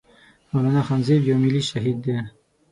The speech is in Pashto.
مولانا خانزيب يو ملي شهيد دی